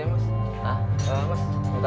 korupsinya diberi guembang ini ya